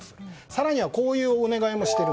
更には、こういうお願いも。